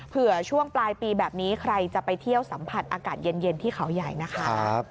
เผื่อช่วงปลายปีแบบนี้ใครจะไปเที่ยวสัมผัสอากาศเย็นที่เขาใหญ่นะคะ